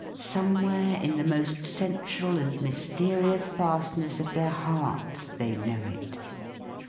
Somewhere, in the most central and mysterious fastness of their hearts, they know it.